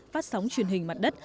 phát sóng truyền hình mặt đất